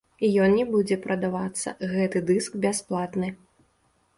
Ён не будзе прадавацца, гэты дыск бясплатны.